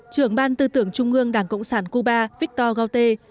trưởng ban tư tưởng trung ương đảng cộng sản cuba victor gautier